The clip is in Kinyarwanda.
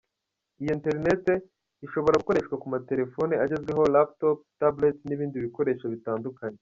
Iyi interineti ishobora gukoreshwa ku ma terefone agezweho, Laptops, Tablets n’ibindi bikoresho bitandukanye.